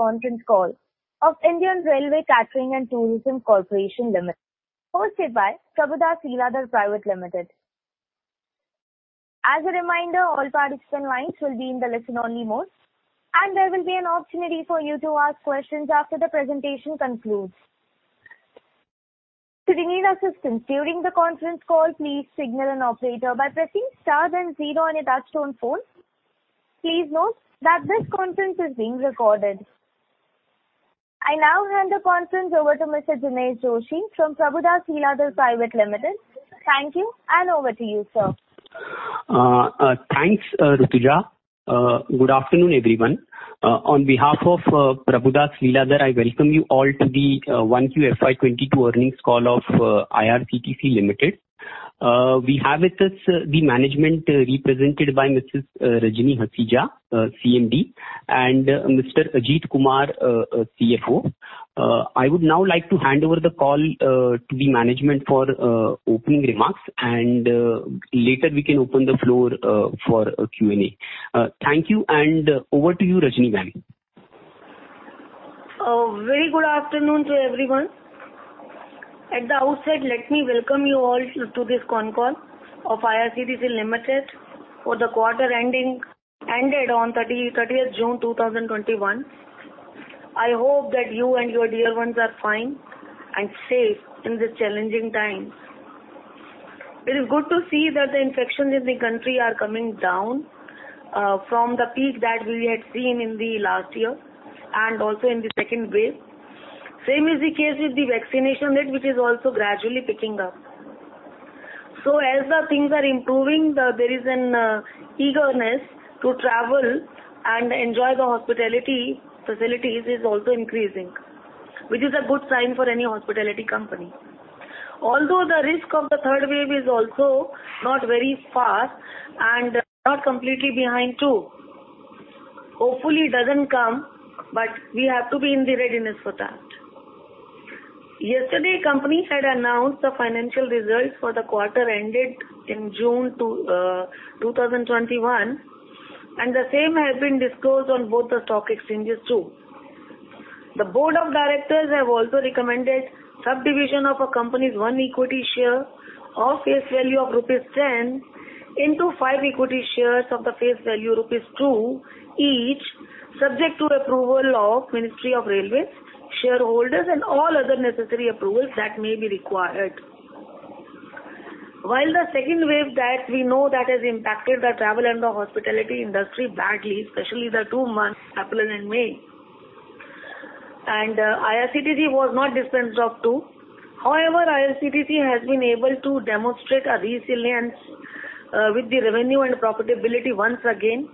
Conference call of Indian Railway Catering and Tourism Corporation Limited, hosted by Prabhudas Lilladher Private Limited. As a reminder, all participant lines will be in the listen-only mode, and there will be an opportunity for you to ask questions after the presentation concludes. Should you need assistance during the conference call, please signal an operator by pressing star then zero on your touch-tone phone. Please note that this conference is being recorded. I now hand the conference over to Mr. Jinesh Joshi from Prabhudas Lilladher Private Limited. Thank you, and over to you, sir. Thanks, Rutuja. Good afternoon, everyone. On behalf of Prabhudas Lilladher, I welcome you all to the 1Q FY 2022 earnings call of IRCTC Limited. We have with us the management represented by Mrs. Rajni Hasija, CMD, and Mr. Ajit Kumar, CFO. I would now like to hand over the call to the management for opening remarks. Later we can open the floor for Q&A. Thank you. Over to you, Rajni Ma'am. A very good afternoon to everyone. At the outset, let me welcome you all to this conf call of IRCTC Limited for the quarter ended on 30th June 2021. I hope that you and your dear ones are fine and safe in these challenging times. It is good to see that the infections in the country are coming down from the peak that we had seen in the last year, and also in the second wave. Same is the case with the vaccination rate, which is also gradually picking up. As the things are improving, there is an eagerness to travel and enjoy the hospitality facilities is also increasing, which is a good sign for any hospitality company. Although the risk of the third wave is also not very far and not completely behind, too. Hopefully, it doesn't come, but we have to be in the readiness for that. Yesterday, companies had announced the financial results for the quarter ended in June 2021, and the same has been disclosed on both the stock exchanges, too. The board of directors have also recommended subdivision of a company's one equity share of face value of rupees 10 into five equity shares of the face value rupees 2 each, subject to approval of Ministry of Railways, shareholders and all other necessary approvals that may be required. While the second wave that we know that has impacted the travel and the hospitality industry badly, especially the two months, April and May, and IRCTC was not dispensed off, too. However, IRCTC has been able to demonstrate a resilience with the revenue and profitability once again.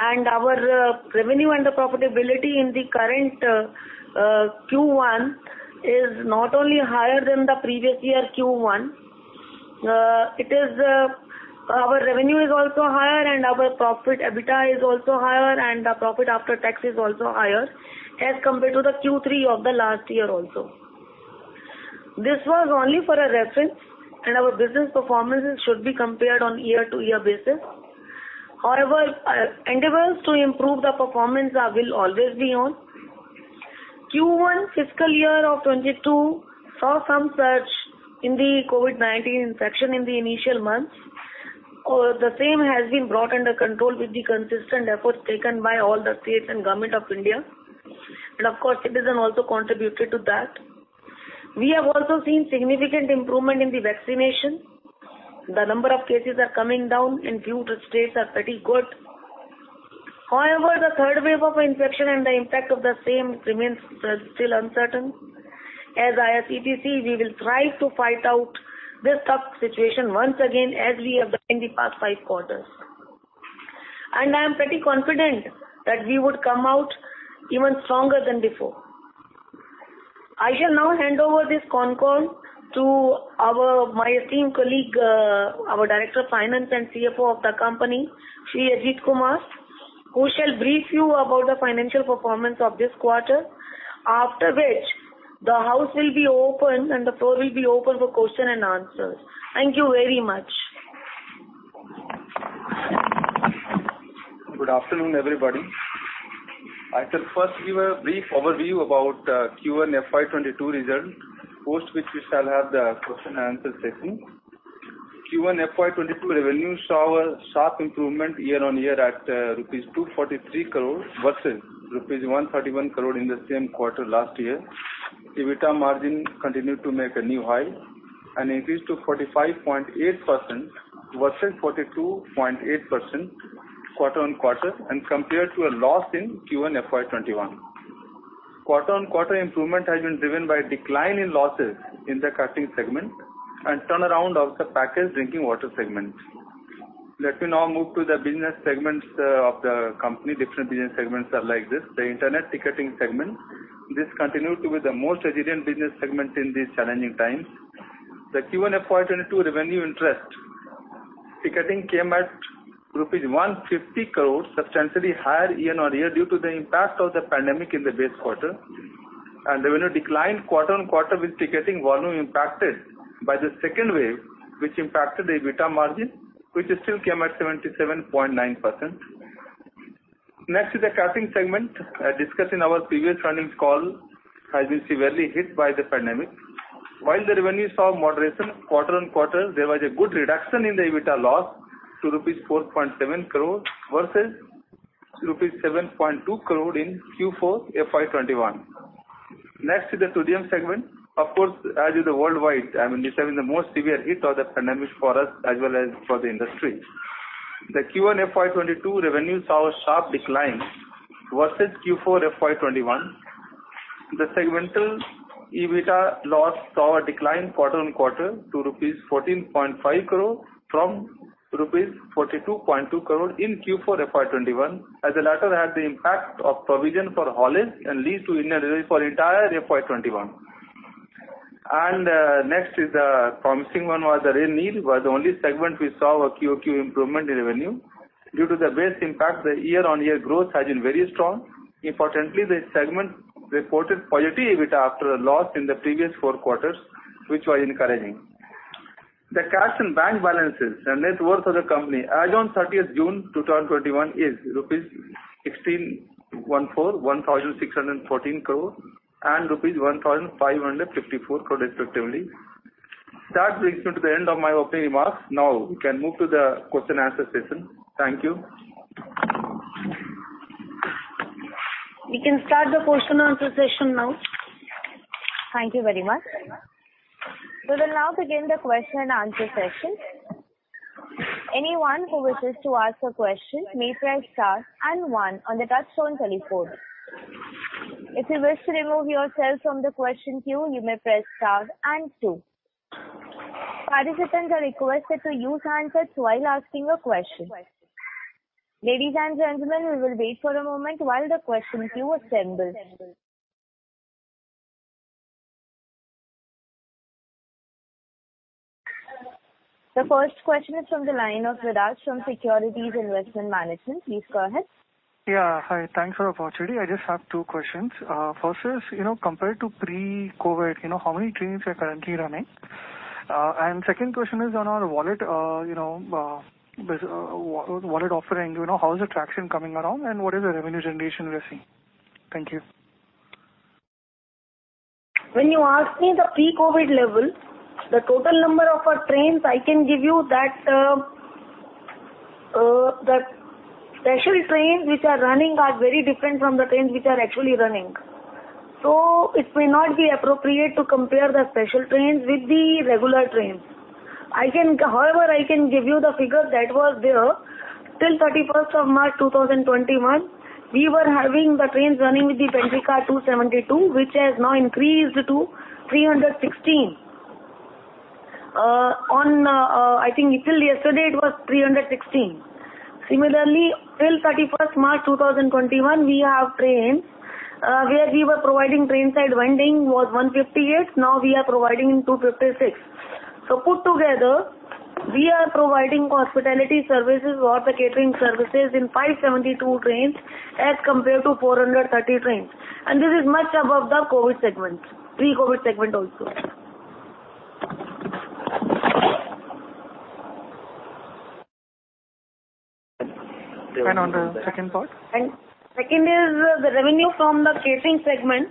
Our revenue and the profitability in the current Q1 is not only higher than the previous year Q1. Our revenue is also higher and our profit EBITDA is also higher and the profit after tax is also higher as compared to the Q3 of the last year. This was only for a reference, and our business performances should be compared on year-to-year basis. However, our endeavors to improve the performance will always be on. Q1 FY 2022 saw some surge in the COVID-19 infection in the initial months. The same has been brought under control with the consistent efforts taken by all the states and Government of India. Of course, citizen also contributed to that. We have also seen significant improvement in the vaccination. The number of cases are coming down, in few states are pretty good. However, the third wave of infection and the impact of the same remains still uncertain. As IRCTC, we will thrive to fight out this tough situation once again as we have done in the past five quarters. I am pretty confident that we would come out even stronger than before. I shall now hand over this conf call to my esteemed colleague, our Director of Finance and CFO of the company, Shri Ajit Kumar, who shall brief you about the financial performance of this quarter. After which, the house will be open and the floor will be open for question and answers. Thank you very much. Good afternoon, everybody. I shall first give a brief overview about Q1 FY 2022 result, post which we shall have the question and answer session. Q1 FY 2022 revenue saw a sharp improvement year-on-year at rupees 243 crore versus rupees 131 crore in the same quarter last year. EBITDA margin continued to make a new high, an increase to 45.8% versus 42.8% quarter-on-quarter and compared to a loss in Q1 FY21. Quarter-on-quarter improvement has been driven by a decline in losses in the catering segment and turnaround of the packaged drinking water segment. Let me now move to the business segments of the company. Different business segments are like this. The internet ticketing segment. This continued to be the most resilient business segment in these challenging times. The Q1 FY 2022 revenue [internet] ticketing came at rupees 150 crores, substantially higher year-over-year due to the impact of the pandemic in the base quarter. The revenue declined quarter-over-quarter with ticketing volume impacted by the second wave, which impacted the EBITDA margin, which still came at 77.9%. Next is the catering segment, discussed in our previous earnings call, has been severely hit by the pandemic. While the revenue saw moderation quarter-over-quarter, there was a good reduction in the EBITDA loss to rupees 4.7 crores versus rupees 7.2 crores in Q4 FY 2021. Next is the tourism segment. Of course, as is the worldwide, this has been the most severe hit of the pandemic for us as well as for the industry. The Q1 FY 2022 revenue saw a sharp decline versus Q4 FY 2021. The segmental EBITDA loss saw a decline quarter-on-quarter to rupees 14.5 crores from rupees 42.2 crores in Q4 FY 2021, as the latter had the impact of provision for Haulage and lease to Indian Railways for entire FY 2021. Next is a promising one, was the Rail Neer, was the only segment we saw a QOQ improvement in revenue. Due to the base impact, the year-on-year growth has been very strong. Importantly, this segment reported positive EBITDA after a loss in the previous four quarters, which was encouraging. The cash and bank balances and net worth of the company as on 30th June 2021 is rupees 1,614 crores and rupees 1,554 respectively. That brings me to the end of my opening remarks. We can move to the question and answer session. Thank you. We can start the question and answer session now. Thank you very much. We will now begin the question and answer session. Anyone who wishes to ask a question may press star and one on the touchtone telephone. If you wish to remove yourself from the question queue, you may press star and two. Participants are requested to use handsets while asking a question. Ladies and gentlemen, we will wait for a moment while the question queue assembles. The first question is from the line of [Viraj Kacharia] from Securities Investment Management. Please go ahead. Yeah. Hi, thanks for the opportunity. I just have two questions. First is, compared to pre-COVID, how many trains are currently running? Second question is on our wallet offering, how is the traction coming along, and what is the revenue generation we are seeing? Thank you. When you ask me the pre-COVID level, the total number of our trains, I can give you that the special trains which are running are very different from the trains which are actually running. So it may not be appropriate to compare the special trains with the regular trains. However, I can give you the figure that was there till 31st of March 2021. We were having the trains running with the pantry car 272, which has now increased to 316. I think till yesterday it was 316. Similarly, till 31st March 2021, we have trains where we were providing train side vending was 158. Now we are providing 256. So put together, we are providing hospitality services or the catering services in 572 trains as compared to 430 trains. And this is much above the pre-COVID segment also. On the second part? Second is the revenue from the catering segment.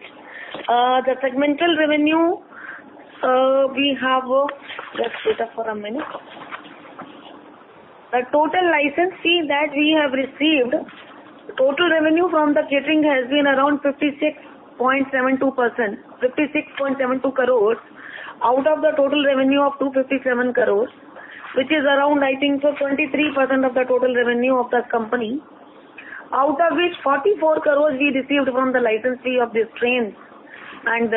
The total license fee that we have received, total revenue from the catering has been around 56.72 crore, out of the total revenue of 257 crore, which is around 23% of the total revenue of the company. Out of which 44 crore we received from the license fee of the trains and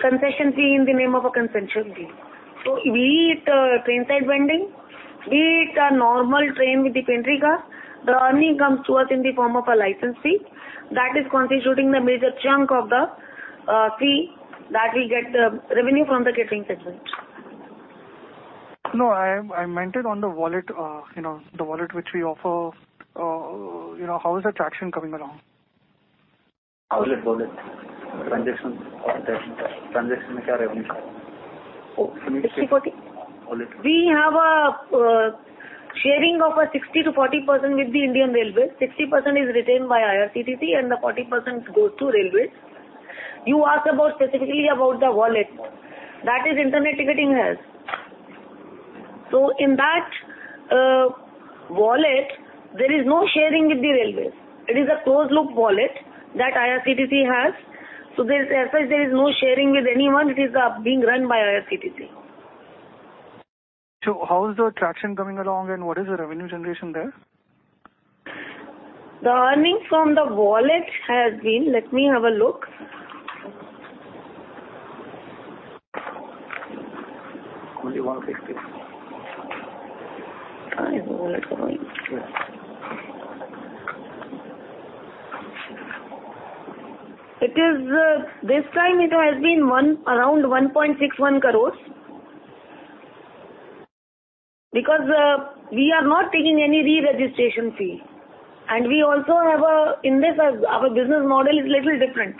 concession fee in the name of a concession fee. Be it train side vending, be it a normal train with the pantry car, the earning comes to us in the form of a license fee that is constituting the major chunk of the fee that we get revenue from the catering segment. No, I meant it on the wallet which we offer. How is the traction coming along? We have a sharing of 60/40% with the Indian Railways. 60% is retained by IRCTC and the 40% goes to Railways. You asked specifically about the wallet. That is internet ticketing has. In that wallet, there is no sharing with the railways. It is a closed loop wallet that IRCTC has. Therefore, there is no sharing with anyone. It is being run by IRCTC. How is the traction coming along and what is the revenue generation there? Let me have a look. Only wallet. Wallet. This time it has been around 1.61 crore Because we are not taking any re-registration fee. We also have, in this, our business model is little different.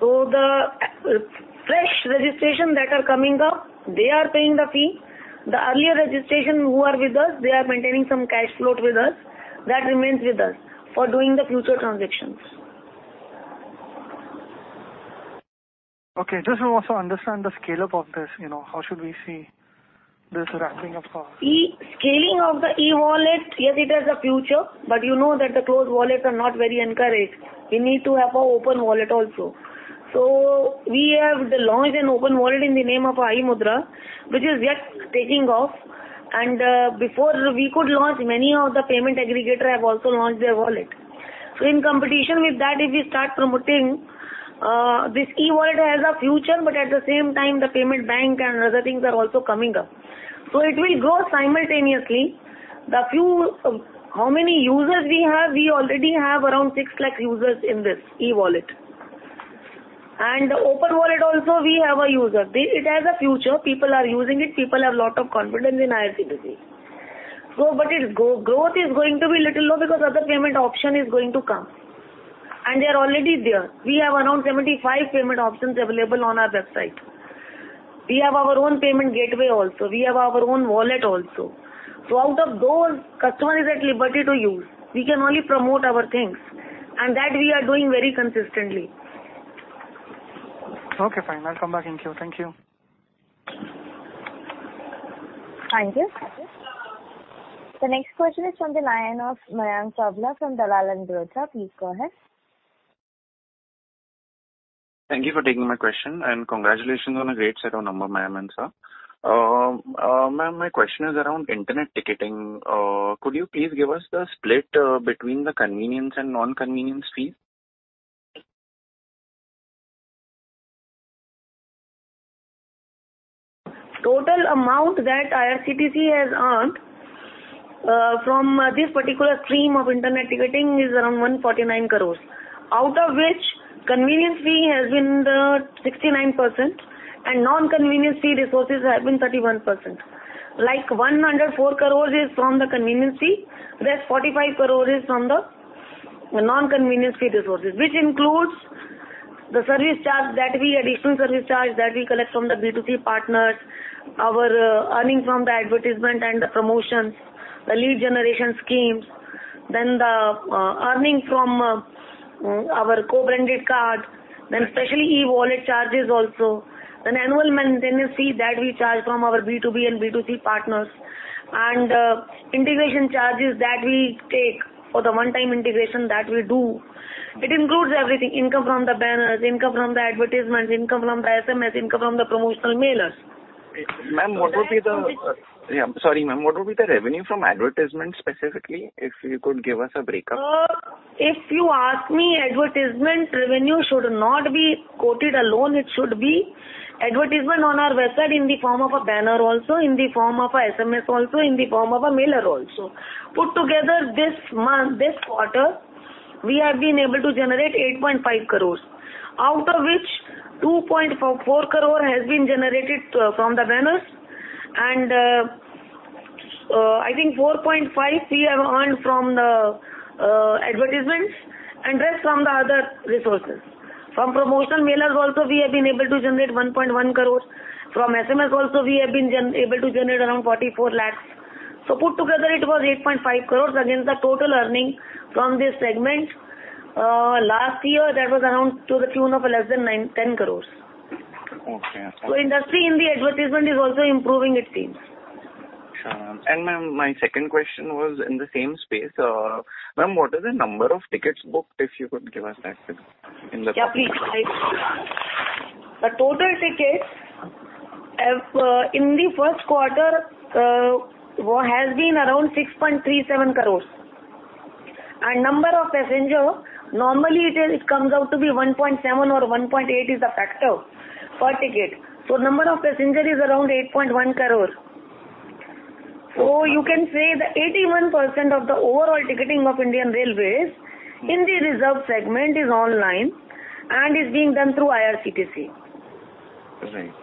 The fresh registration that are coming up, they are paying the fee. The earlier registration who are with us, they are maintaining some cash float with us. That remains with us for doing the future transactions. Okay. Just to also understand the scale-up of this, how should we see this ramping up? Scaling of the e-wallet, yes, it has a future, but you know that the closed wallets are not very encouraged. You need to have an open wallet also. We have launched an open wallet in the name of iMudra, which is just taking off, and before we could launch, many of the payment aggregator have also launched their wallet. In competition with that, if we start promoting, this e-wallet has a future, but at the same time, the payment bank and other things are also coming up. It will grow simultaneously. How many users we have? We already have around 6 lakh users in this e-wallet. The open wallet also, we have a user. It has a future. People are using it. People have lot of confidence in IRCTC. Its growth is going to be little low because other payment option is going to come. They're already there. We have around 75 payment options available on our website. We have our own payment gateway also. We have our own wallet also. Out of those, customer is at liberty to use. We can only promote our things, and that we are doing very consistently. Okay, fine. I'll come back in queue. Thank you. Thank you. The next question is from the line of Mayank [Babla] from Dalal & Broacha. from Dalal & Broacha. Please go ahead. Thank you for taking my question. Congratulations on a great set of numbers, ma'am and sir. Ma'am, my question is around internet ticketing. Could you please give us the split between the convenience and non-convenience fee? Total amount that IRCTC has earned from this particular stream of internet ticketing is around 149 crores. Out of which, convenience fee has been the 69%, and non-convenience fee resources have been 31%. Like 104 crores is from the convenience fee, rest 45 crores is from the non-convenience fee resources, which includes the additional service charge that we collect from the B2C partners, our earnings from the advertisement and the promotions, the lead generation schemes, then the earning from our co-branded card, then specially e-wallet charges also, and annual maintenance fee that we charge from our B2B and B2C partners, and integration charges that we take for the one-time integration that we do. It includes everything, income from the banners, income from the advertisements, income from the SMS, income from the promotional mailers. Ma'am, what would be the- The revenue- Yeah. Sorry, ma'am. What would be the revenue from advertisement specifically, if you could give us a breakup? If you ask me, advertisement revenue should not be quoted alone. It should be advertisement on our website in the form of a banner also, in the form of a SMS also, in the form of a mailer also. Put together this month, this quarter, we have been able to generate 8.5 crores, out of which 2.4 crore has been generated from the banners, and I think 4.5 crores we have earned from the advertisements and rest from the other resources. From promotional mailers also, we have been able to generate 1.1 crores. From SMS also, we have been able to generate around 44 lakhs. Put together, it was 8.5 crores against the total earning from this segment. Last year, that was around to the tune of less than 10 crores. Okay. Industry in the advertisement is also improving it seems. Sure. Ma'am, my second question was in the same space. Ma'am, what is the number of tickets booked, if you could give us that figure in the? Yeah, please. The total tickets in the first quarter has been around 6.37 crores. Number of passenger, normally it comes out to be 1.7 or 1.8 is the factor per ticket. Number of passenger is around 8.1 crores. You can say that 81% of the overall ticketing of Indian Railways in the reserve segment is online and is being done through IRCTC. Right.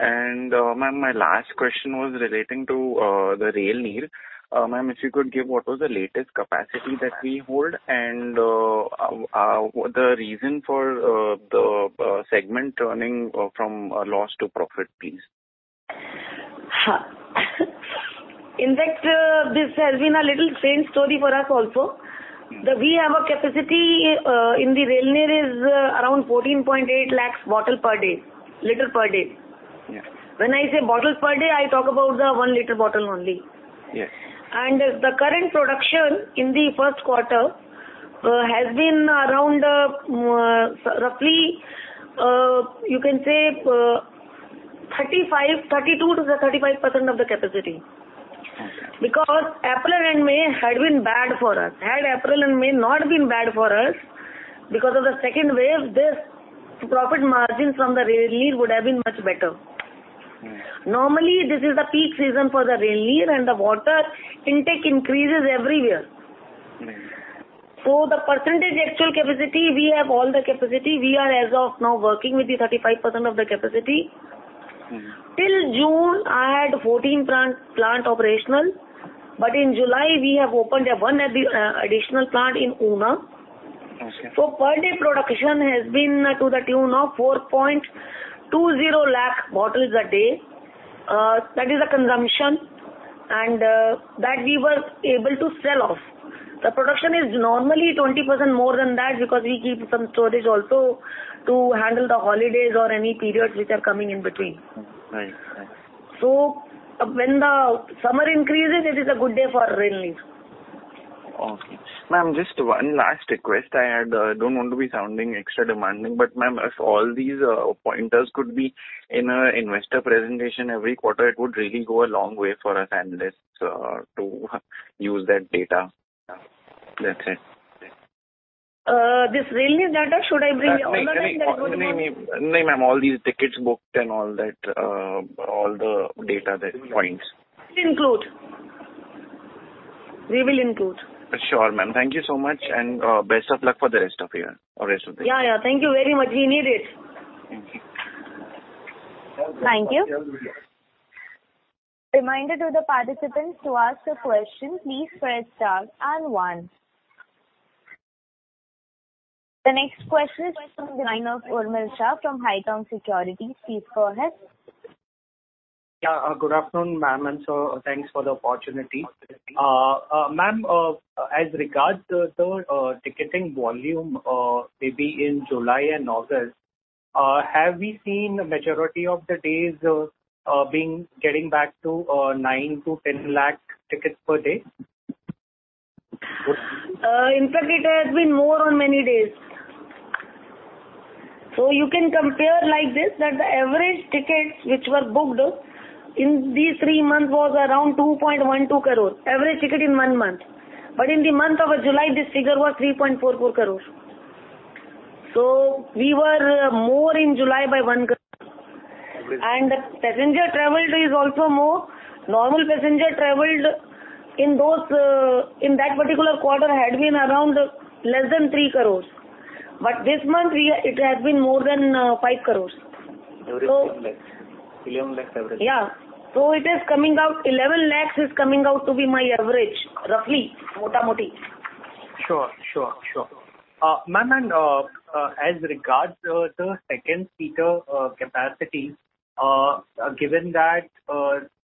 Ma'am, my last question was relating to the Rail Neer. Ma'am, if you could give what was the latest capacity that we hold and the reason for the segment turning from a loss to profit, please. In fact, this has been a little strange story for us also. We have a capacity in the Rail Neer is around 14.8 lakhs bottle per day, liter per day. Yes. When I say bottles per day, I talk about the one liter bottle only. Yes. The current production in the first quarter has been around roughly, you can say 32%-35% of the capacity. Okay. April and May had been bad for us. Had April and May not been bad for us because of the second wave, this profit margin from the Rail Neer would have been much better. Normally, this is the peak season for the Rail Neer, and the water intake increases everywhere. Right. The percentage actual capacity, we have all the capacity. We are as of now working with the 35% of the capacity. Till June, I had 14 plant operational, but in July, we have opened 1 additional plant in Una. Okay. Per day production has been to the tune of 4.20 lakh bottles a day. That is the consumption, and that we were able to sell off. The production is normally 20% more than that because we keep some storage also to handle the holidays or any periods which are coming in between. Right. When the summer increases, it is a good day for Rail Neer. Okay. Ma'am, just one last request I had. I don't want to be sounding extra demanding, but ma'am, if all these pointers could be in an investor presentation every quarter, it would really go a long way for us analysts to use that data. That's it. This Rail Neer data, should I bring all the data? No, ma'am. All these tickets booked and all the data points. Include. We will include. Sure, ma'am. Thank you so much, and best of luck for the rest of the year. Thank you very much. We need it. Thank you. Thank you. The next question is from Mr. Urmil Shah from Haitong Securities. Please go ahead. Yeah. Good afternoon, ma'am, thanks for the opportunity. Ma'am, as regards the ticketing volume, maybe in July and August, have we seen majority of the days getting back to 9 to 10 lakh tickets per day? In fact, it has been more on many days. You can compare like this, that the average tickets which were booked in these three months was around 2.12 crore, average ticket in one month. In the month of July, this figure was 3.44 crore. We were more in July by 1 crore. The passenger traveled is also more. Normal passenger traveled in that particular quarter had been around less than 3 crore. This month it has been more than 5 crore. 11 lakhs average. Yeah. 11 lakhs is coming out to be my average, roughly. Sure. Ma'am, as regards the second seater capacity, given that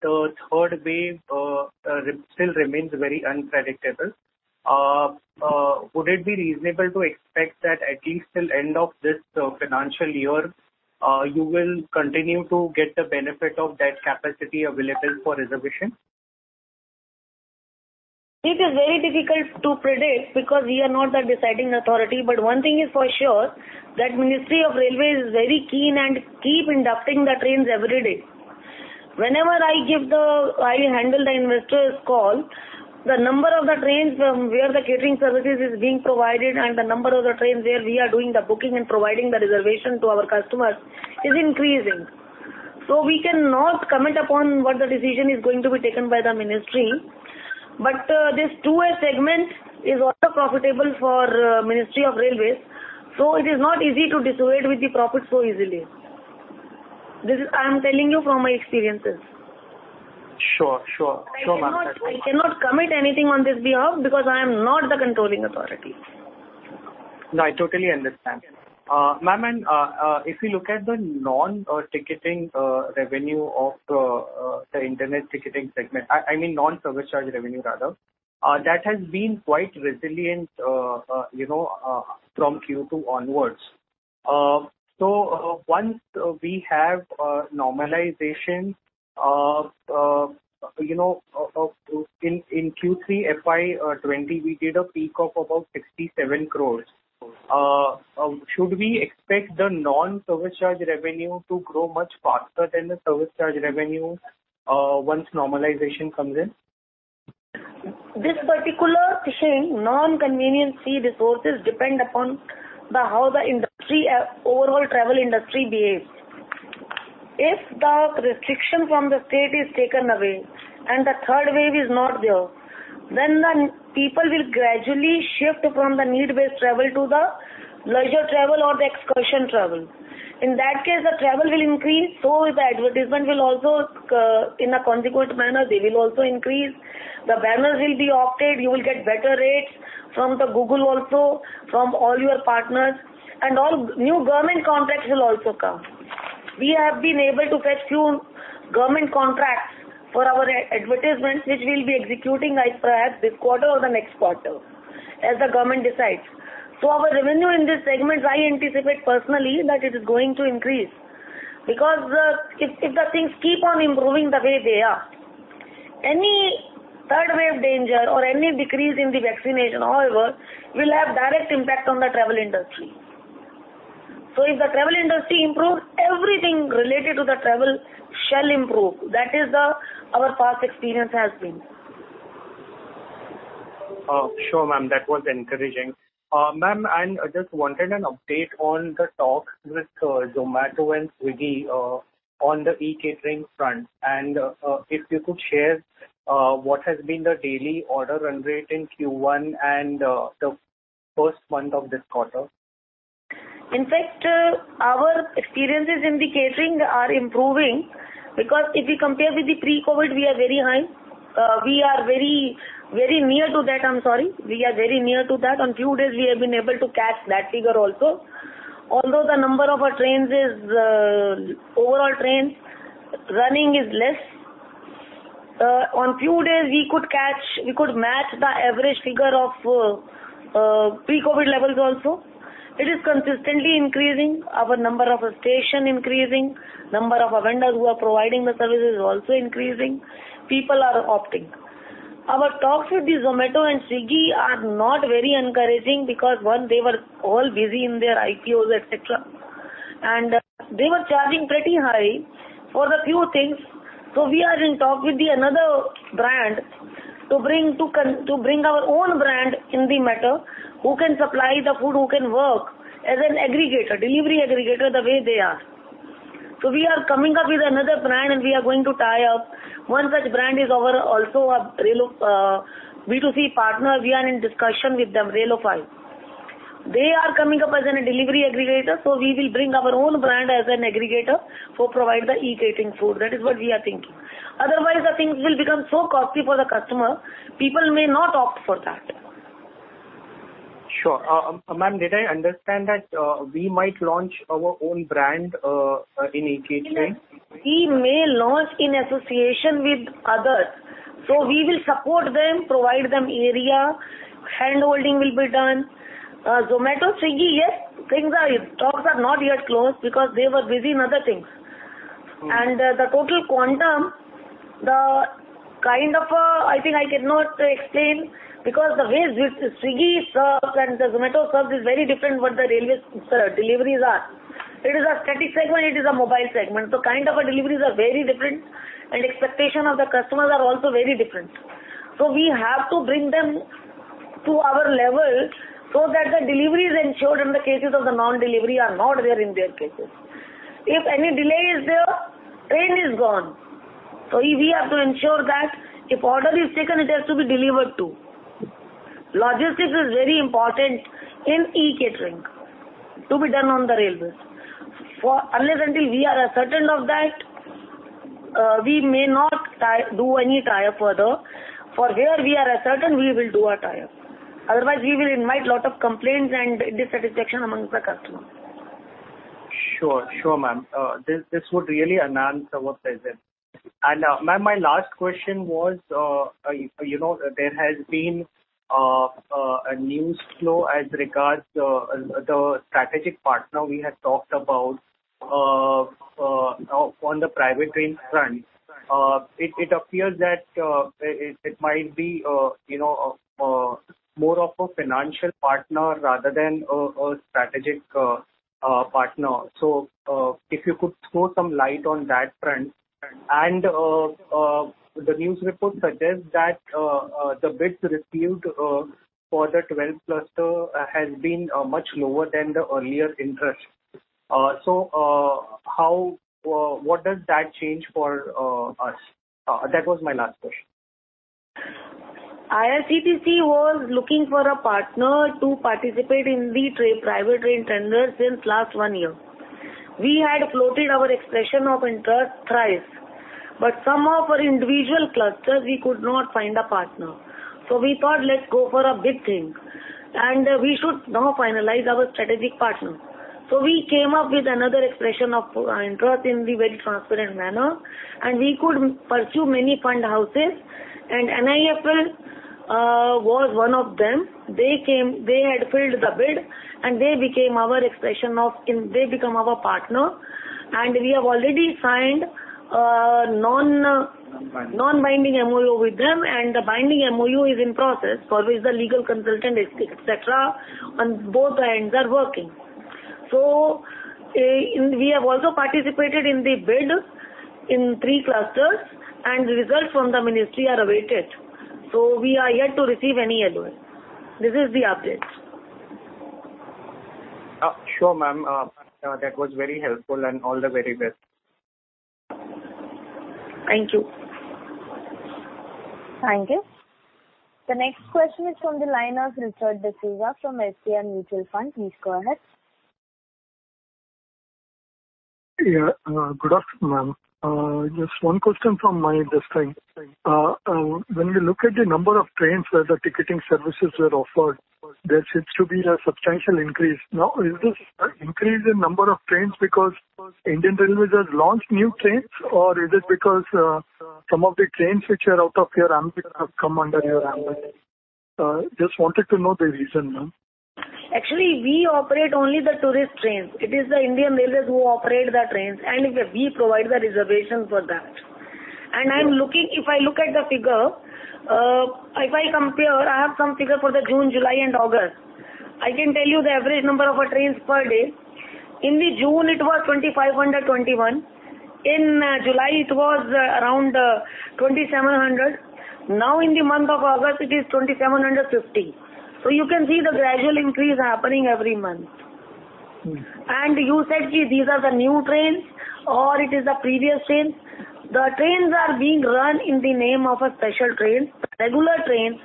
the third wave still remains very unpredictable, would it be reasonable to expect that at least till end of this financial year, you will continue to get the benefit of that capacity available for reservation? It is very difficult to predict because we are not the deciding authority. One thing is for sure, that Ministry of Railways is very keen and keep inducting the trains every day. Whenever I handle the investors call, the number of the trains from where the catering services is being provided and the number of the trains where we are doing the booking and providing the reservation to our customers is increasing. We cannot comment upon what the decision is going to be taken by the ministry. This [two-way] segment is also profitable for Ministry of Railways, so it is not easy to dissuade with the profit so easily. I'm telling you from my experiences. Sure, ma'am. I cannot commit anything on this behalf because I am not the controlling authority. No, I totally understand. Ma'am, if you look at the non-ticketing revenue of the internet ticketing segment, I mean, non-service charge revenue rather, that has been quite resilient from Q2 onwards. Once we have normalization, in Q3 FY 2020, we did a peak of about 67 crores. Should we expect the non-service charge revenue to grow much faster than the service charge revenue once normalization comes in? This particular kitchen, non-convenience fee resources depend upon how the overall travel industry behaves. If the restriction from the state is taken away and the third wave is not there, then the people will gradually shift from the need-based travel to the leisure travel or the excursion travel. In that case, the travel will increase, so the advertisement will also, in a consequent manner, they will also increase. The banners will be opted. You will get better rates from the Google also, from all your partners. All new government contracts will also come. We have been able to fetch few government contracts for our advertisements, which we'll be executing perhaps this quarter or the next quarter, as the government decides. Our revenue in this segment, I anticipate personally that it is going to increase. If the things keep on improving the way they are, any third wave danger or any decrease in the vaccination however, will have direct impact on the travel industry. If the travel industry improves, everything related to the travel shall improve. That is our past experience has been. Sure, ma'am. That was encouraging. Ma'am, I just wanted an update on the talks with Zomato and Swiggy on the e-catering front, and if you could share what has been the daily order run rate in Q1 and the first month of this quarter. In fact, our experiences in the catering are improving because if we compare with the pre-COVID, we are very high. We are very near to that. On few days, we have been able to catch that figure also. Although the number of our overall trains running is less. On few days, we could match the average figure of pre-COVID levels also. It is consistently increasing. Our number of station increasing, number of our vendors who are providing the services is also increasing. People are opting. Our talks with the Zomato and Swiggy are not very encouraging because one, they were all busy in their IPOs, et cetera. They were charging pretty high for the few things. We are in talk with another brand to bring our own brand in the matter, who can supply the food, who can work as a delivery aggregator the way they are. We are coming up with another brand, and we are going to tie up. One such brand is also our B2C partner. We are in discussion with them, RailRestro. They are coming up as a delivery aggregator, we will bring our own brand as an aggregator for provide the e-catering food. That is what we are thinking. Otherwise, the things will become so costly for the customer. People may not opt for that. Sure. Ma'am, did I understand that we might launch our own brand in e-catering? We may launch in association with others. We will support them, provide them area, handholding will be done. Zomato, Swiggy, yes, talks are not yet closed because they were busy in other things. Okay. The total quantum, I think I cannot explain because the ways which Swiggy serves and Zomato serves is very different what the railway deliveries are. It is a static segment, it is a mobile segment. Kind of a deliveries are very different, and expectation of the customers are also very different. We have to bring them to our level so that the deliveries ensured and the cases of the non-delivery are not there in their cases. If any delay is there, train is gone. We have to ensure that if order is taken, it has to be delivered, too. Logistics is very important in e-catering to be done on the railways. Unless we are certain of that, we may not do any tie-up further. For where we are certain, we will do our tie-up. Otherwise, we will invite lot of complaints and dissatisfaction amongst the customers. Sure, ma'am. This would really enhance our presence. Ma'am, my last question was, there has been a news flow as regards the strategic partner we had talked about on the private train front. It appears that it might be more of a financial partner rather than a strategic partner. If you could throw some light on that front. The news report suggests that the bids received for the 12 cluster has been much lower than the earlier interest. What does that change for us? That was my last question. IRCTC was looking for a partner to participate in the private train tenders since last one year. We had floated our expression of interest thrice. Some of our individual clusters, we could not find a partner. We thought, let's go for a big thing, and we should now finalize our strategic partner. We came up with another expression of interest in the very transparent manner, and we could pursue many fund houses. NIFL was one of them. They had filled the bid, and they become our partner. We have already signed a non-binding MoU with them, and the binding MoU is in process. Always the legal consultant, et cetera, on both ends are working. We have also participated in the bid in three clusters, and the results from the ministry are awaited. We are yet to receive any Sure, ma'am. That was very helpful, and all the very best. Thank you. Thank you. The next question is from the line of Richard D'Souza from [SBI Mutual Fund]. Please go ahead. Good afternoon, ma'am. Just one question from my side. When we look at the number of trains where the ticketing services were offered, there seems to be a substantial increase now. Is this increase in number of trains because Indian Railways has launched new trains, or is it because some of the trains which are out of your ambit have come under your ambit? Just wanted to know the reason, ma'am. Actually, we operate only the tourist trains. It is the Indian Railways who operate the trains, and we provide the reservations for that. If I look at the figure, if I compare, I have some figure for the June, July, and August. I can tell you the average number of trains per day. In the June, it was 2,521. In July, it was around 2,700. Now in the month of August, it is 2,750. You can see the gradual increase happening every month. You said, these are the new trains, or it is the previous trains? The trains are being run in the name of a special train. Regular trains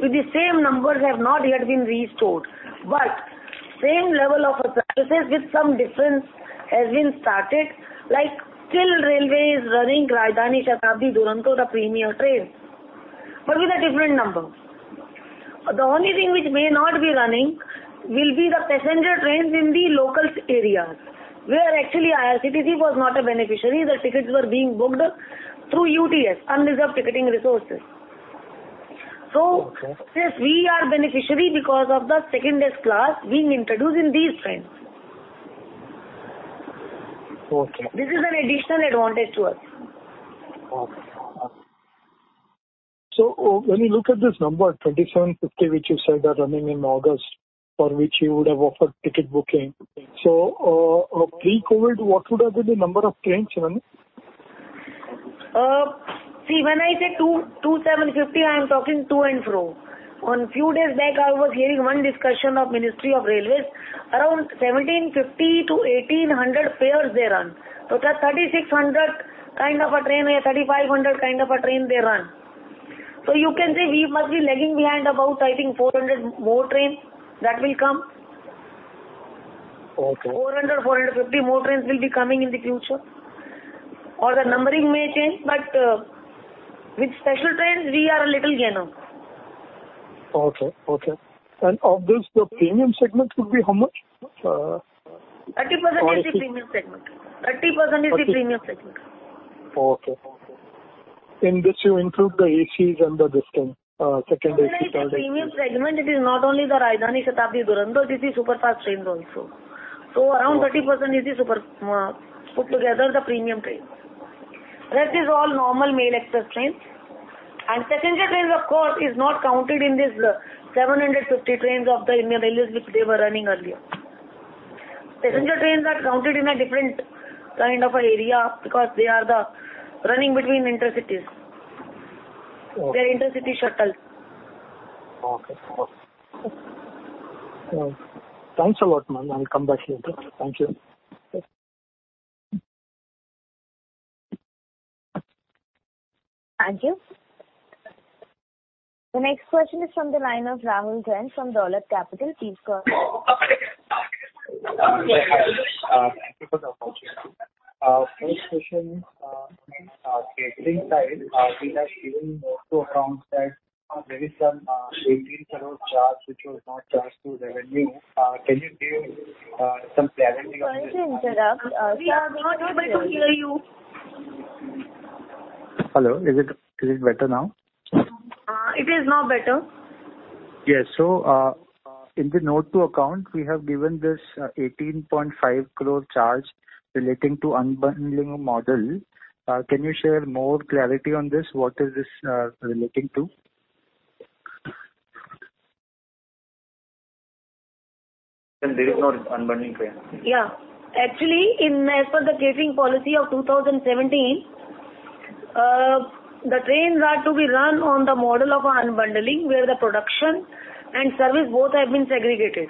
with the same numbers have not yet been restored. Same level of services with some difference has been started, like still railway is running Rajdhani, Shatabdi, Duronto, the premier trains, but with a different number. The only thing which may not be running will be the passenger trains in the local areas, where actually IRCTC was not a beneficiary. The tickets were being booked through UTS, Unreserved Ticketing System. Okay. Yes, we are beneficiary because of the second class being introduced in these trains. Okay. This is an additional advantage to us. Okay. When you look at this number, 2,750, which you said are running in August, for which you would have offered ticket booking. Pre-COVID, what would have been the number of trains running? When I say 2,750, I am talking to and fro. On few days back, I was hearing one discussion of Ministry of Railways. Around 1,750-1,800 pairs they run. It's a 3,600 kind of a train, or 3,500 kind of a train they run. You can say we must be lagging behind about, I think 400 more trains that will come. Okay. 400, 450 more trains will be coming in the future, or the numbering may change. With special trains, we are a little gainer. Okay. Of this, the premium segment would be how much? 30% is the premium segment. Okay. In this you include the ACs and the distance, second AC, third AC. When I say premium segment, it is not only the Rajdhani, Shatabdi, Duronto, it is the Superfast trains also. So around 30% is put together the premium trains. Rest is all normal Mail Express trains. Passenger trains, of course, is not counted in this 750 trains of the Indian Railways which they were running earlier. Passenger trains are counted in a different kind of area because they are running between intercities. Okay. They are intercity shuttle. Okay. Thanks a lot, ma'am. I'll come back later. Thank you. Thank you. Thank you. The next question is from the line of Rahul Jain from Dolat Capital. Please go ahead. Thank you for the opportunity. First question is, catering side, we have seen note to accounts that there is some 18 crore charge which was not charged to revenue. Can you give some clarity on this? Sorry to interrupt. We are not able to hear you. Hello. Is it better now? It is now better. Yes. In the note to account, we have given this 18.5 crore charge relating to unbundling model. Can you share more clarity on this? What is this relating to? There is no unbundling train. Yeah. Actually, as per the catering policy of 2017, the trains are to be run on the model of unbundling, where the production and service both have been segregated.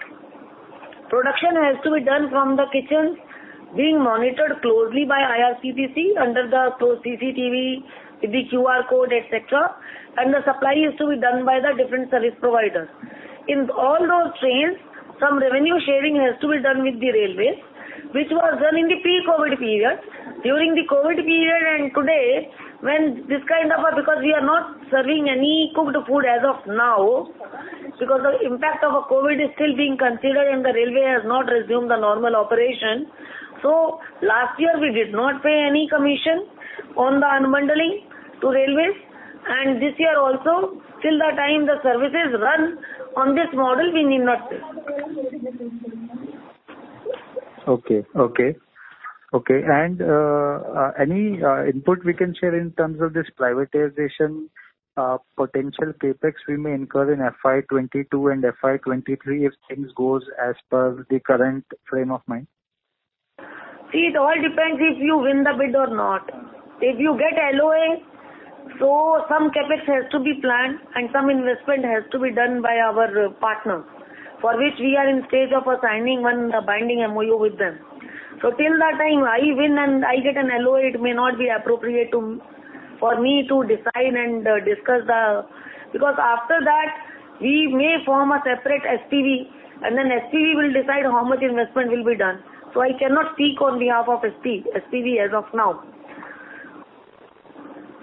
Production has to be done from the kitchens being monitored closely by IRCTC under the CCTV, the QR code, et cetera, and the supply is to be done by the different service providers. In all those trains, some revenue sharing has to be done with the railways, which was done in the pre-COVID period. During the COVID period and today, because we are not serving any cooked food as of now, because the impact of COVID is still being considered and the railway has not resumed the normal operation. Last year, we did not pay any commission on the unbundling to railways, and this year also, till the time the services run on this model, we need not pay. Okay. Any input we can share in terms of this privatization potential CapEx we may incur in FY 2022 and FY 2023 if things goes as per the current frame of mind? See, it all depends if you win the bid or not. If you get LOA, some CapEx has to be planned and some investment has to be done by our partners, for which we are in stage of signing one binding MoU with them. Till that time I win and I get an LOA, it may not be appropriate for me to decide and discuss. Because after that, we may form a separate SPV, and then SPV will decide how much investment will be done. I cannot speak on behalf of SPV as of now.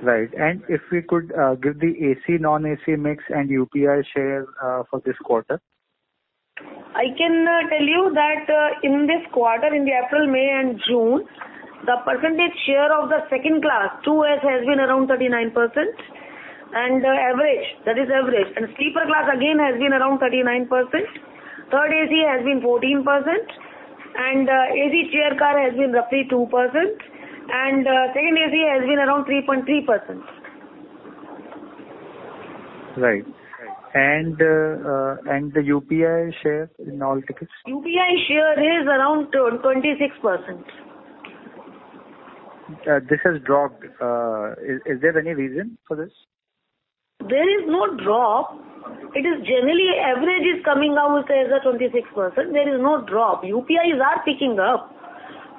Right. If we could give the AC, non-AC mix and UPI share for this quarter? I can tell you that in this quarter, in the April, May and June, the percentage share of the second class, 2S, has been around 39%, and the average, that is average. Sleeper class again has been around 39%. Third AC has been 14%, and AC chair car has been roughly 2%, and second AC has been around 3.3%. Right. The UPI share in all tickets? UPI share is around 26%. This has dropped. Is there any reason for this? There is no drop. It is generally average is coming down as a 26%. There is no drop. UPIs are picking up.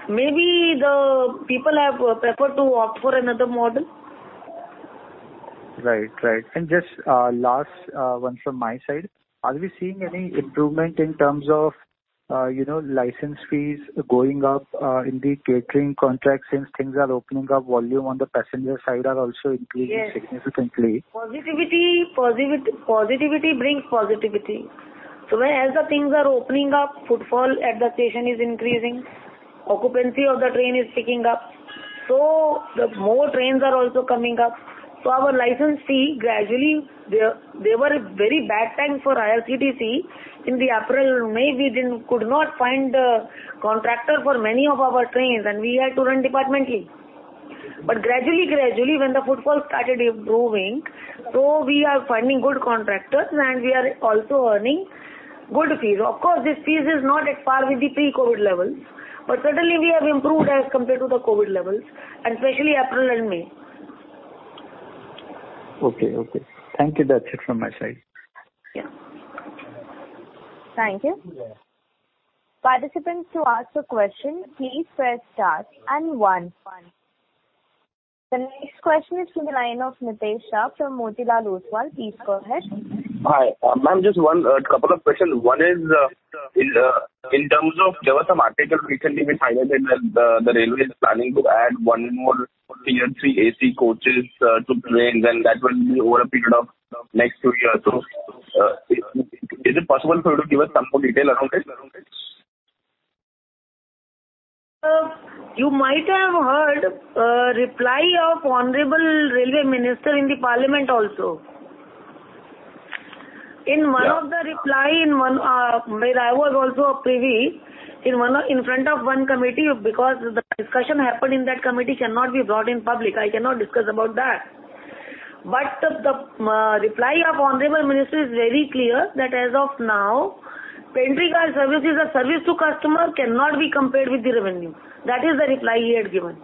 Maybe the people have preferred to opt for another model. Right. Just last one from my side. Are we seeing any improvement in terms of license fees going up in the catering contracts since things are opening up, volume on the passenger side are also increasing significantly? Yes. Positivity brings positivity. As the things are opening up, footfall at the station is increasing, occupancy of the train is picking up. More trains are also coming up. There was a very bad time for IRCTC in April, May. We could not find a contractor for many of our trains, and we had to run departmentally. Gradually, when the footfall started improving, we are finding good contractors and we are also earning good fees. Of course, this fee is not at par with the pre-COVID levels. Certainly we have improved as compared to the COVID levels, especially April and May. Okay. Thank you. That's it from my side. Yeah. Thank you. Participants who ask a question, please press star and one. The next question is from the line of Nitesh Shah from Motilal Oswal. Please go ahead. Hi. Ma'am, just one couple of questions. One is, in terms of, there was some article recently we found out that Indian Railways is planning to add one more Tier 3 AC coaches to trains. That will be over a period of next two years or so. Is it possible for you to give us some more detail around it? You might have heard a reply of honorable Railway Minister in the parliament also. Yeah. In one of the reply where I was also privy, in front of one committee, because the discussion happened in that committee cannot be brought in public. I cannot discuss about that. The reply of honorable minister is very clear that as of now, pantry car service is a service to customer, cannot be compared with the revenue. That is the reply he had given.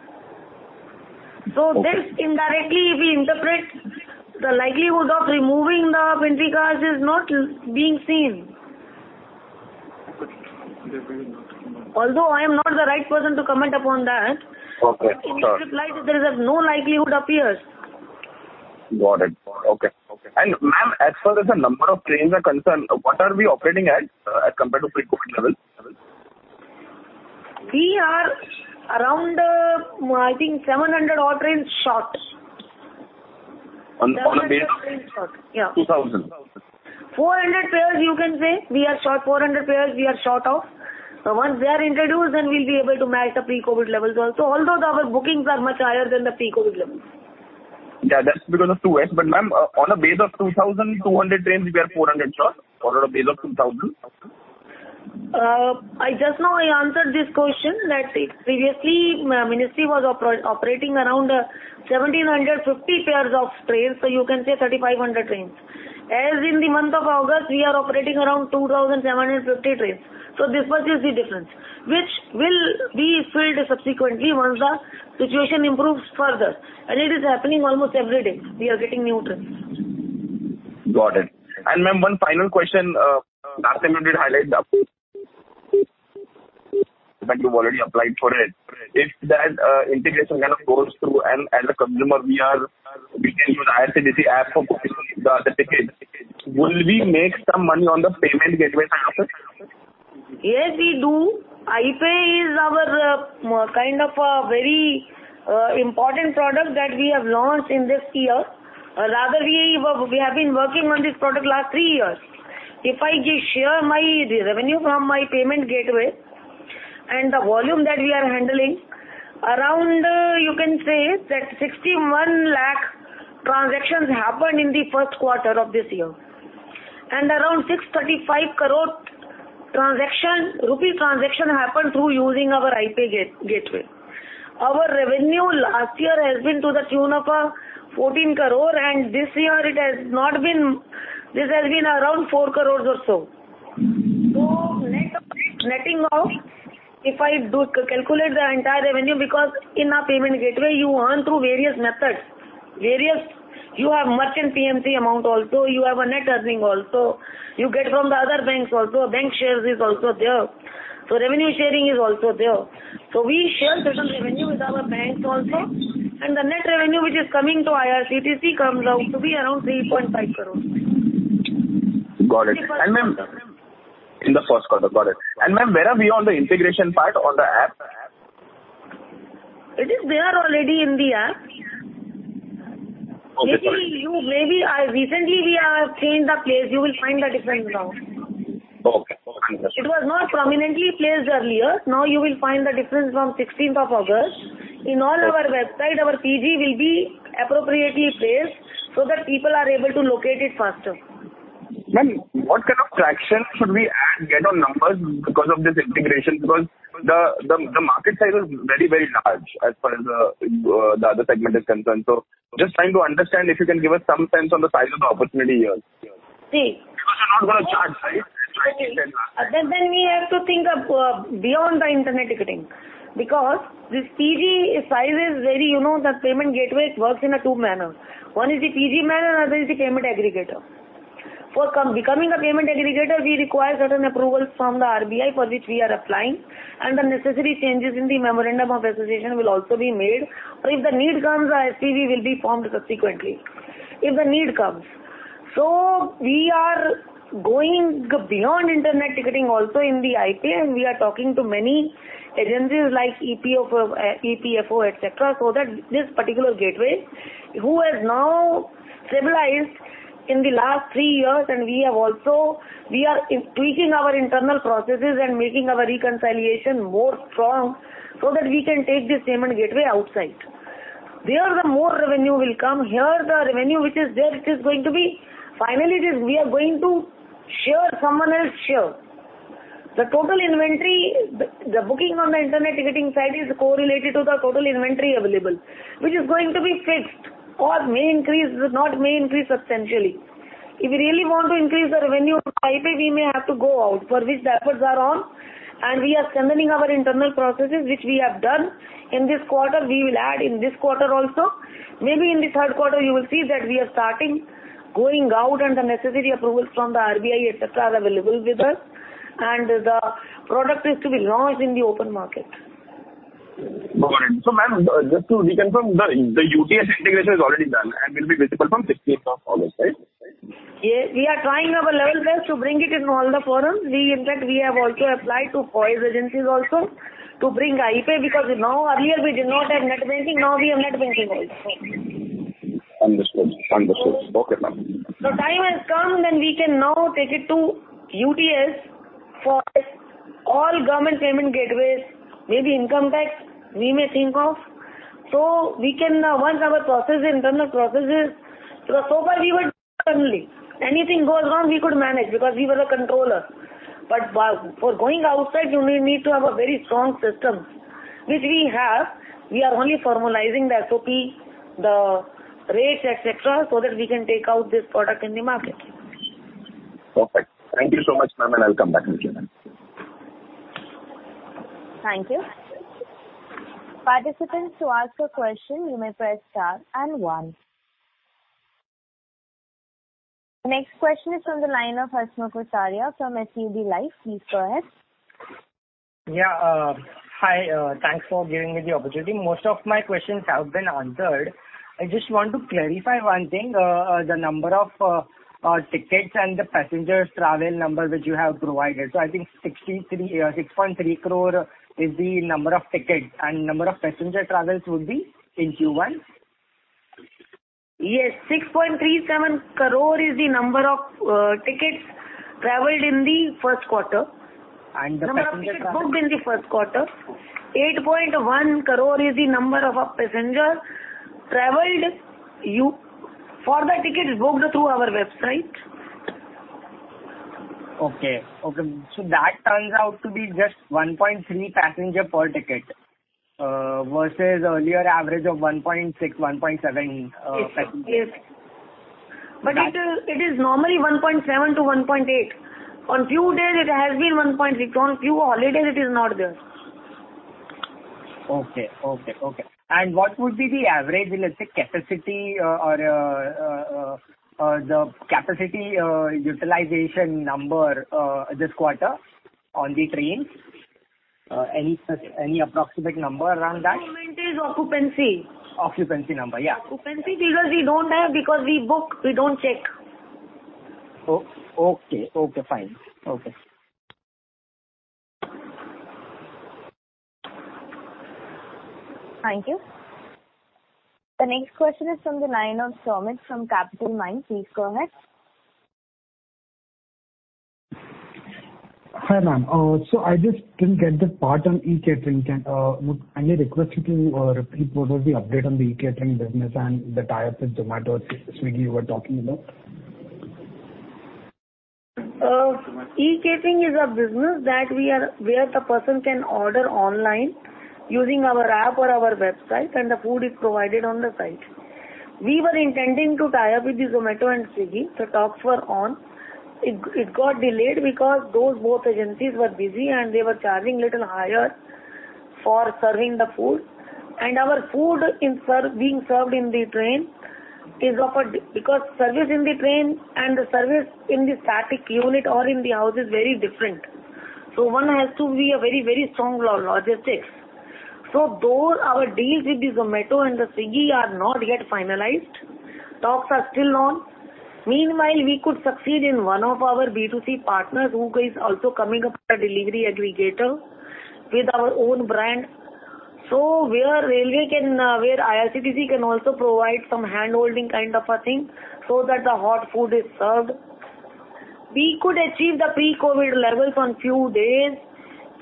Okay. This indirectly, we interpret the likelihood of removing the pantry cars is not being seen. Okay. Although I am not the right person to comment upon that. Okay, sure. In his reply, there is no likelihood appears. Got it. Okay. Ma'am, as far as the number of trains are concerned, what are we operating at, as compared to pre-COVID levels? We are around, I think 700 odd trains short. On a base- 700 trains short. Yeah. 2,000. 400 pairs you can say. We are short 400 pairs, we are short of. Once they are introduced, then we'll be able to match the pre-COVID levels also. Although our bookings are much higher than the pre-COVID levels. Yeah. That's because of two ways. Ma'am, on a base of 2,200 trains, we are 400 short. On a base of 2,000. Just now I answered this question, that previously Ministry was operating around 1,750 pairs of trains. You can say 3,500 trains. As in the month of August, we are operating around 2,750 trains. This much is the difference, which will be filled subsequently once the situation improves further. It is happening almost every day. We are getting new trains. Got it. Ma'am, one final question. Last time you did highlight that you've already applied for it. If that integration kind of goes through and as a consumer, we can use IRCTC app for booking the ticket, will we make some money on the payment gateway side also? Yes, we do. iPay is our kind of a very important product that we have launched in this year. Rather, we have been working on this product last three years. If I share my revenue from my payment gateway and the volume that we are handling, around you can say that 61 lakh transactions happened in the first quarter of this year. Around 635 crore rupee transaction happened through using our iPay gateway. Our revenue last year has been to the tune of 14 crore, and this year it has been around 4 crore or so. Netting out, if I calculate the entire revenue, because in a payment gateway you earn through various methods. You have merchant [MDR] amount also, you have a net earning also. You get from the other banks also. Bank shares is also there. Revenue sharing is also there. We share certain revenue with our banks also. The net revenue which is coming to IRCTC comes out to be around 3.5 crore. Got it. In the first quarter. Got it. Ma'am, where are we on the integration part on the app? It is there already in the app. Okay. Sorry. Maybe recently we have changed the place. You will find the difference now. Okay. Understood. It was not prominently placed earlier. Now you will find the difference from 16th of August. In all our website, our PG will be appropriately placed so that people are able to locate it faster. Ma'am, what kind of traction should we get on numbers because of this integration? The market size is very large as far as the other segment is concerned. Just trying to understand if you can give us some sense on the size of the opportunity here. See- Because you're not going to charge, right? We have to think of beyond the internet ticketing. The payment gateway, it works in a two manner. One is the PG manner, another is the payment aggregator. For becoming a payment aggregator, we require certain approvals from the RBI for which we are applying, and the necessary changes in the memorandum of association will also be made. If the need comes, our SPV will be formed subsequently. If the need comes. We are going beyond internet ticketing also in the iPay, and we are talking to many agencies like EPFO, et cetera, so that this particular gateway, who has now stabilized in the last three years, and we are tweaking our internal processes and making our reconciliation more strong so that we can take this payment gateway outside. There, the more revenue will come. Here, the revenue which is there, Finally, we are going to share someone else's share. The booking on the internet ticketing side is correlated to the total inventory available, which is going to be fixed or may increase, but not may increase substantially. If we really want to increase the revenue of iPay, we may have to go out, for which the efforts are on, and we are strengthening our internal processes, which we have done. In this quarter, we will add, in this quarter also. Maybe in the third quarter, you will see that we are starting going out and the necessary approvals from the RBI, et cetera, are available with us, and the product is to be launched in the open market. Got it. Ma'am, just to reconfirm, the UTS integration is already done and will be visible from 16th of August, right? Yes. We are trying our level best to bring it in all the forums. We, in fact, we have also applied to [POI] agencies also to bring iPay, because earlier we did not have net banking, now we have net banking also. Understood. Okay, ma'am. The time has come when we can now take it to UTS for all government payment gateways, maybe income tax, we may think of. Far we were only. Anything goes wrong, we could manage because we were the controller. For going outside, you need to have a very strong system, which we have. We are only formalizing the SOP, the rates, et cetera, so that we can take out this product in the market. Perfect. Thank you so much, ma'am, and I'll come back in queue, ma'am. Thank you. Participants, to ask a question, you may press star and one. Next question is from the line of [Hasmukh Vishariya] from SUD Life. Please go ahead. Yeah. Hi. Thanks for giving me the opportunity. Most of my questions have been answered. I just want to clarify 1 thing, the number of tickets and the passengers travel number which you have provided. I think 63, 6.3 crore is the number of tickets and number of passenger travels would be in Q1. Yes, 6.37 crore is the number of tickets traveled in the first quarter. And the passenger travel- Number of tickets booked in the first quarter. 8.1 crore is the number of passengers traveled for the tickets booked through our website. That turns out to be just 1.3 passenger per ticket, versus earlier average of 1.6, 1.7 passengers. Yes. It is normally 1.7-1.8. On few days it has been 1.6. On few holidays it is not there. Okay. What would be the average, let's say, capacity or the capacity utilization number this quarter on the trains? Any approximate number around that? At the moment is occupancy. Occupancy number. Yeah. Occupancy figures we don't have because we book, we don't check. Okay. Fine. Okay. Thank you. The next question is from the line of Sumit from Capitalmind. Please go ahead. Hi, ma'am. I just didn't get the part on e-catering. I may request you to repeat what was the update on the e-catering business and the tie-up with Zomato, Swiggy you were talking about? E-catering is a business where the person can order online using our app or our website, and the food is provided on the site. We were intending to tie up with the Zomato and Swiggy. The talks were on. It got delayed because those both agencies were busy, and they were charging little higher for serving the food. Our food being served in the train is because service in the train and the service in the static unit or in the house is very different. One has to be a very strong logistics. Though our deals with the Zomato and the Swiggy are not yet finalized, talks are still on. Meanwhile, we could succeed in one of our B2C partners, who is also coming up with a delivery aggregator with our own brand. Where IRCTC can also provide some handholding kind of a thing so that the hot food is served. We could achieve the pre-COVID levels on few days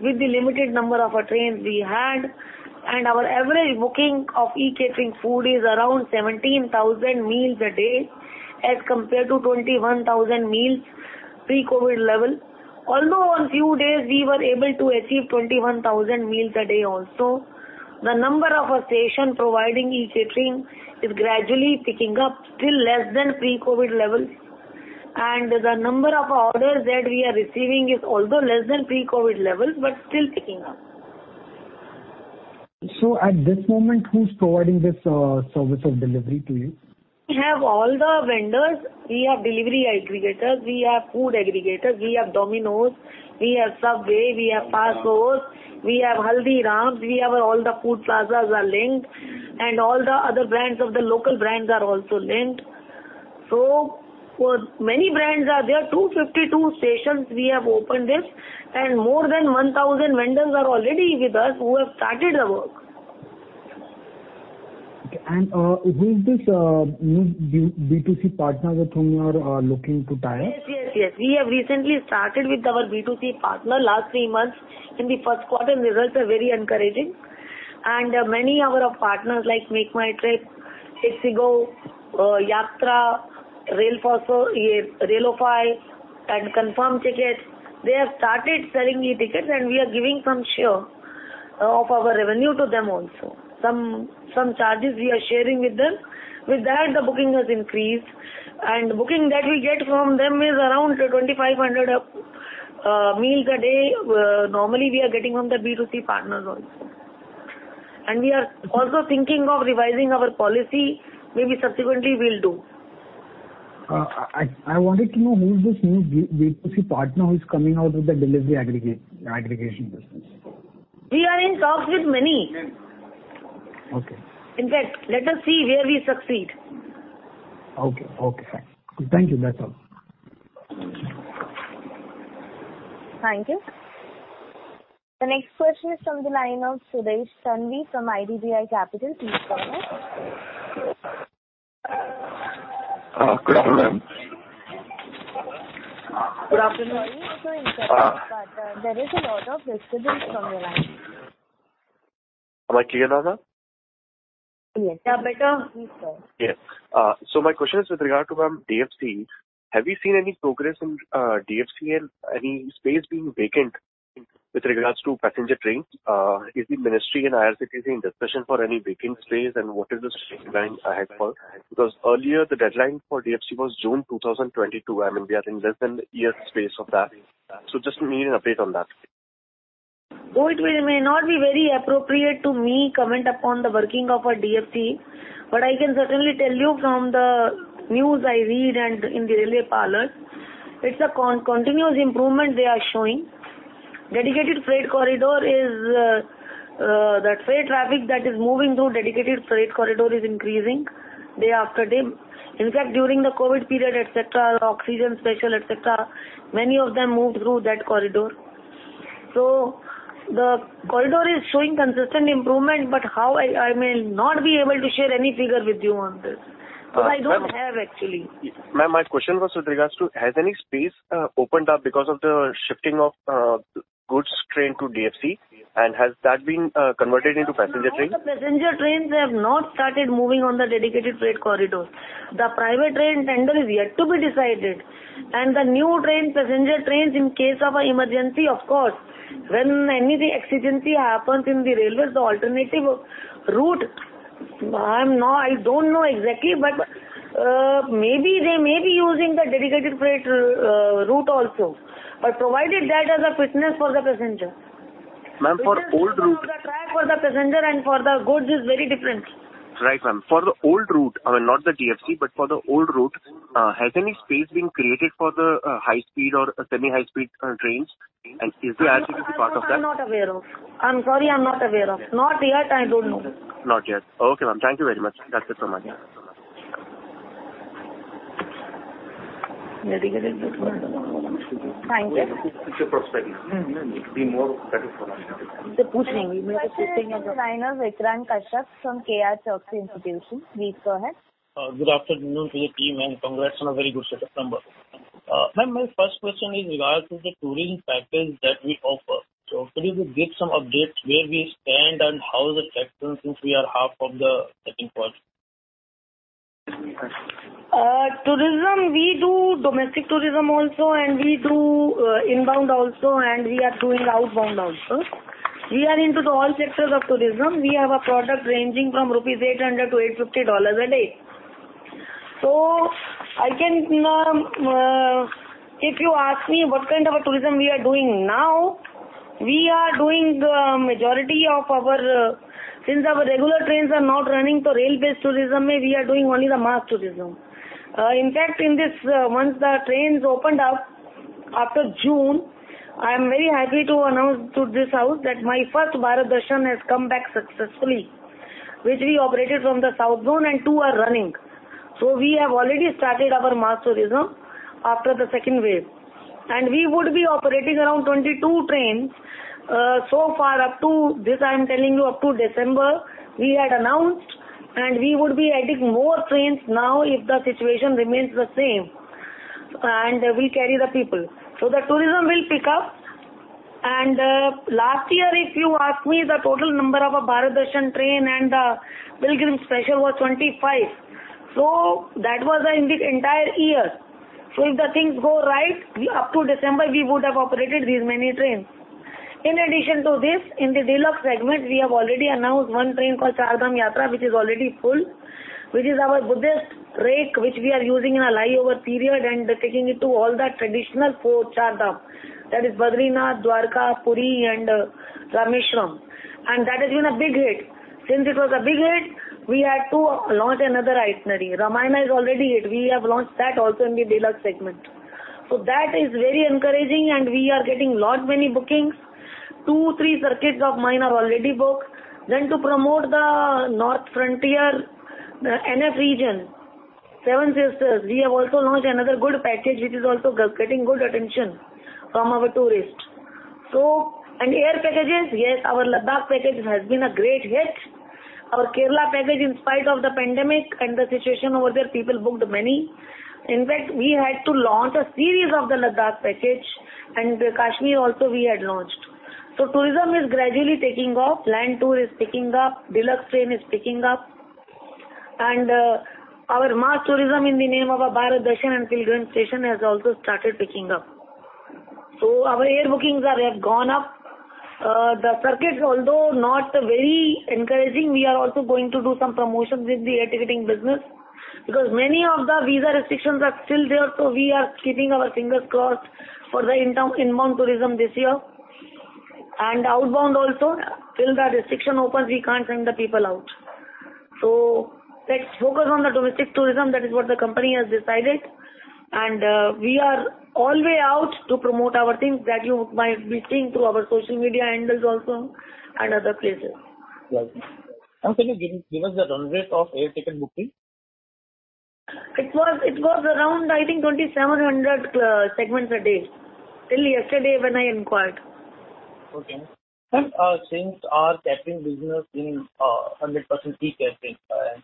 with the limited number of trains we had, and our average booking of e-catering food is around 17,000 meals a day as compared to 21,000 meals pre-COVID level. Although on few days we were able to achieve 21,000 meals a day also. The number of stations providing e-catering is gradually picking up, still less than pre-COVID levels, and the number of orders that we are receiving is also less than pre-COVID levels, but still picking up. At this moment, who's providing this service of delivery to you? We have all the vendors. We have delivery aggregators, we have food aggregators, we have Domino's, we have Subway, we have Faasos, we have Haldiram's. All the food plazas are linked, and all the other brands of the local brands are also linked. Many brands are there. 252 stations we have opened this, and more than 1,000 vendors are already with us who have started the work. Okay. Who is this new B2C partner with whom you are looking to tie up? Yes. We have recently started with our B2C partner last three months. In the first quarter, the results are very encouraging. Many of our partners like MakeMyTrip, Yatra, Railofy, and ConfirmTkt, they have started selling e-tickets, and we are giving some share of our revenue to them also. Some charges we are sharing with them. With that, the booking has increased, and booking that we get from them is around 2,500 meals a day. Normally, we are getting from the B2C partners also. We are also thinking of revising our policy. Maybe subsequently we'll do. I wanted to know who is this new B2C partner who's coming out with the delivery aggregation business? We are in talks with many. Okay. Let us see where we succeed. Okay. Thank you. That's all. Thank you. The next question is from the line of [Sudesh Sandhi] from IDBI Capital. Please go ahead. Good afternoon. Good afternoon. Sorry to interrupt you, but there is a lot of disturbance from your line. Am I clear now, ma'am? Yes. Yeah, better. Please go on. My question is with regard to DFC. Have you seen any progress in DFC and any space being vacant with regards to passenger trains? Is the Ministry and IRCTC in discussion for any vacant space, and what is the timeline ahead for? Earlier the deadline for DFC was June 2022. I mean, we are in less than a year space of that. Just need an update on that. It may not be very appropriate to comment upon the working of a DFC, but I can certainly tell you from the news I read and in the railway parlor, it's a continuous improvement they are showing. The freight traffic that is moving through Dedicated Freight Corridor is increasing day after day. In fact, during the COVID period, etc., oxygen special, etc., many of them moved through that corridor. The corridor is showing consistent improvement, but I may not be able to share any figure with you on this because I don't have actually. Ma'am, my question was with regards to, has any space opened up because of the shifting of goods train to DFC, and has that been converted into passenger trains? The passenger trains have not started moving on the dedicated freight corridor. The private train tender is yet to be decided, and the new train, passenger trains, in case of an emergency, of course. When any emergency happens in the Railways, the alternative route, I don't know exactly, but they may be using the dedicated freight route also, provided that has a fitness for the passenger. Ma'am, for old route- Fitness of the track for the passenger and for the goods is very different. Right, ma'am. For the old route, I mean, not the DFC, but for the old route, has any space been created for the high speed or semi high speed trains? Is the IRCTC part of that? I'm not aware of. I'm sorry, I'm not aware of. Not yet. I don't know. Not yet. Okay, ma'am. Thank you very much. That's it from my end. Thank you. The next question is from the line of Vikrant Kashyap from KRChoksey Institutions. Please go ahead. Good afternoon to the team, and congrats on a very good set of numbers. Ma'am, my first question is regards to the tourism package that we offer. Could you give some updates where we stand and how is the traction since we are half of the second quarter? Tourism, we do domestic tourism also, and we do inbound also, and we are doing outbound also. We are into all sectors of tourism. We have a product ranging from rupees 800 to $850 a day. If you ask me what kind of a tourism we are doing now, we are doing the majority of Since our regular trains are not running for rail-based tourism, we are doing only the mass tourism. In fact, once the trains opened up after June, I am very happy to announce to this house that my first Bharat Darshan has come back successfully, which we operated from the south zone, and two are running. We would be operating around 22 trains. So far, up to December, we had announced, and we would be adding more trains now if the situation remains the same, and we carry the people. The tourism will pick up. Last year, if you ask me the total number of a Bharat Darshan train and the Pilgrims Special was 25. That was in the entire year. If the things go right, up to December, we would have operated this many trains. In addition to this, in the deluxe segment, we have already announced one train called Char Dham Yatra, which is already full, which is our Buddhist rake, which we are using in a layover period and taking it to all the traditional four Char Dham. That is Badrinath, Dwarka, Puri, and Rameshwaram. That has been a big hit. Since it was a big hit, we had to launch another itinerary. Ramayana is already hit. We have launched that also in the deluxe segment. That is very encouraging and we are getting lot many bookings. Two, three circuits of mine are already booked. To promote the North frontier, the NF region, Seven Sisters, we have also launched another good package, which is also getting good attention from our tourists. Air packages, yes, our Ladakh package has been a great hit. Our Kerala package, in spite of the pandemic and the situation over there, people booked many. In fact, we had to launch a series of the Ladakh package and Kashmir also we had launched. Tourism is gradually taking off. Land tour is picking up, deluxe train is picking up. Our mass tourism in the name of our Bharat Darshan and pilgrim station has also started picking up. Our air bookings have gone up. The circuits, although not very encouraging, we are also going to do some promotions with the air ticketing business because many of the visa restrictions are still there. We are keeping our fingers crossed for the inbound tourism this year. Outbound also, till the restriction opens, we can't send the people out. Let's focus on the domestic tourism. That is what the company has decided. We are all way out to promote our things that you might be seeing through our social media handles also and other places. Lovely. Ma'am, can you give us the run rate of air ticket booking? It was around, I think, 2,700 segments a day till yesterday when I inquired. Okay. Ma'am, since our catering business being 100% e-catering,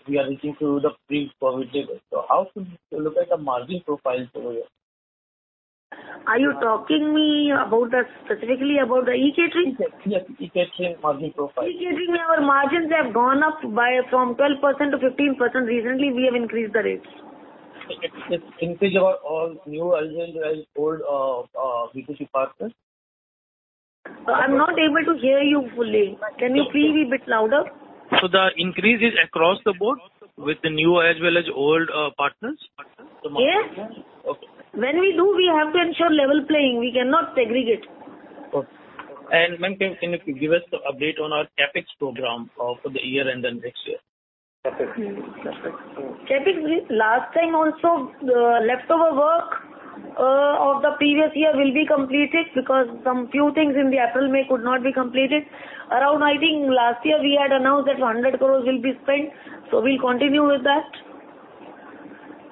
we are reaching to the pre-COVID level. How should we look at the margin profile over here? Are you talking specifically about the e-catering? Yes, e-catering margin profile. E-catering, our margins have gone up from 12% to 15%. Recently, we have increased the rates. It's increase over all new as well as old B2C partners? I'm not able to hear you fully. Can you please be a bit louder? The increase is across the board with the new as well as old partners? Yes. Okay. When we do, we have to ensure level playing. We cannot segregate. Okay. Ma'am, can you give us the update on our CapEx program for the year and then next year? CapEx, last time also, leftover work of the previous year will be completed because some few things in the April, May could not be completed. Around, I think, last year we had announced that 100 crores will be spent. We'll continue with that.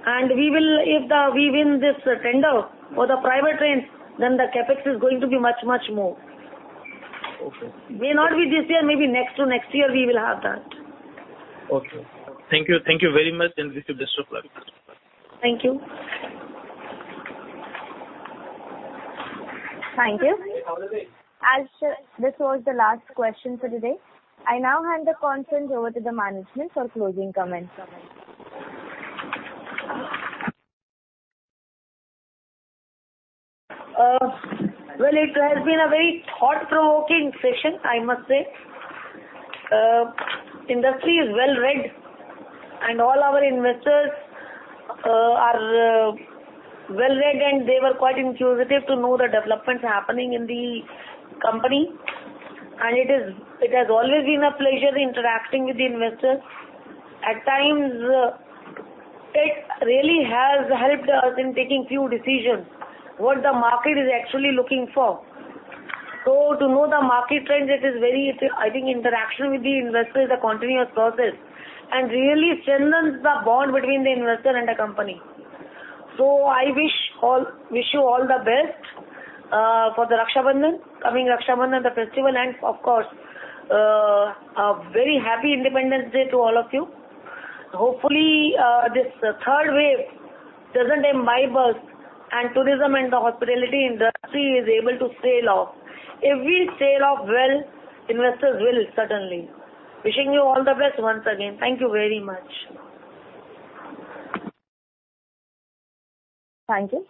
If we win this tender for the private trains, the CapEx is going to be much, much more. Okay. May not be this year, maybe next to next year we will have that. Okay. Thank you. Thank you very much and wish you best of luck. Thank you. Thank you. As this was the last question for today, I now hand the conference over to the management for closing comments. Well, it has been a very thought-provoking session, I must say. Industry is well-read, all our investors are well-read, and they were quite inquisitive to know the developments happening in the company. It has always been a pleasure interacting with the investors. At times, it really has helped us in taking few decisions, what the market is actually looking for. To know the market trend, I think interaction with the investor is a continuous process and really strengthens the bond between the investor and the company. I wish you all the best for the Raksha Bandhan, coming Raksha Bandhan, the festival, and of course, a very happy Independence Day to all of you. Hopefully, this third wave doesn't imbibe us and tourism and the hospitality industry is able to sail off. If we sail off well, investors will certainly. Wishing you all the best once again. Thank you very much. Thank you.